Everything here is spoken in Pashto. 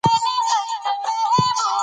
دښتې د کورنیو د دودونو عنصر دی.